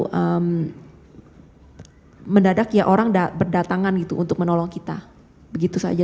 dan mendadak ya orang berdatangan gitu untuk menolong kita begitu saja